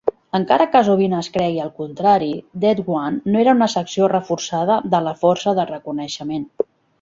Encara que sovint es cregui el contrari, Det One no era una secció reforçada de la Força de Reconeixement.